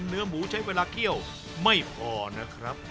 เนื้อหมูใช้เวลาเคี่ยวไม่พอนะครับ